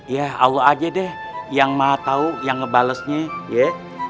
ya allah aja deh yang maha tahu yang ngebalesnya ya